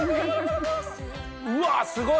うわすごい！